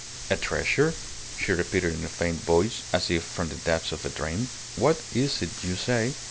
"A treasure?" she repeated in a faint voice, as if from the depths of a dream. "What is it you say?"